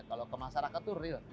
kalau ke masyarakat itu real